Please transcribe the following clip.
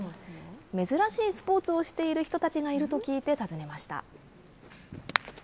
珍しいスポーツをしている人たちがいると聞いて訪ねました。